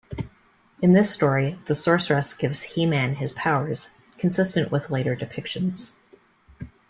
In this story, the Sorceress gives He-Man his powers, consistent with later depictions.